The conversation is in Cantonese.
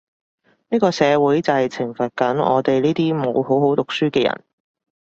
呢個社會就係懲罰緊我哋呢啲冇好好讀書嘅人